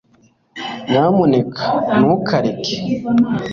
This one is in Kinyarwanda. nyamuneka ntukareke